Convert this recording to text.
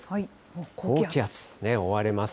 高気圧、覆われます。